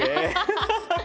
ハハハハ！